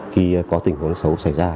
khi có tình huống xấu xảy ra